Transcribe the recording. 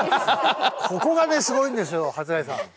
ここがねすごいんですよ初谷さん。